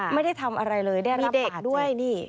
ไม่ได้ทำอะไรเลยได้รับผ่านเจ็บ